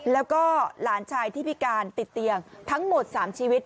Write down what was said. แล้วก็หลานชายที่พิการติดเตียงทั้งหมด๓ชีวิต